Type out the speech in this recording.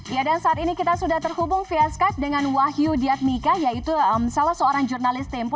ya dan saat ini kita sudah terhubung via skype dengan wahyu diadmika yaitu salah seorang jurnalis tempo